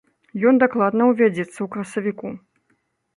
Ён дакладна ўвядзецца ў красавіку.